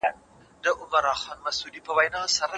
دا جرګه د هیواد لپاره ولي مهمه ده؟